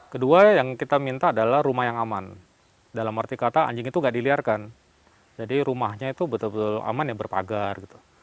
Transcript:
kedua yang kita minta adalah rumah yang aman dalam arti kata anjing itu nggak diliarkan jadi rumahnya itu betul betul aman ya berpagar gitu